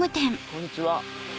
こんにちは。